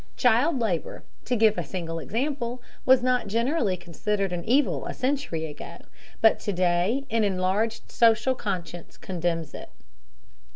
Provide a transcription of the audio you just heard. Child labor, to give a single example, was not generally considered an evil a century ago, but to day an enlarged social conscience condemns it.